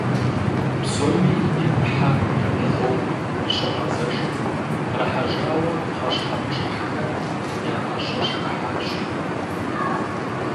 Псоми я Ӏыхьэр яӀыгъыу къыщагъэзэжым, кърахьэжьа пхъэщхьэмыщхьэхэр яӀэщӀэшхыхьащ.